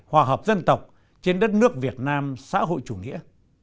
hòa hợp dân tộc trên đất nước việt nam xã hội chủ nghĩa